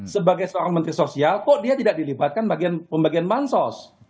sebagai seorang menteri sosial kok dia tidak dilibatkan bagian pembagian bansos